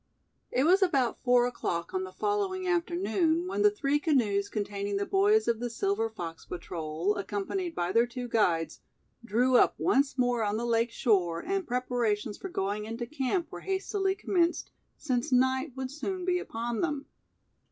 It was about four o'clock on the following afternoon when the three canoes containing the boys of the Silver Fox Patrol, accompanied by their two guides, drew up once more on the lake shore, and preparations for going into camp were hastily commenced, since night would soon be upon them.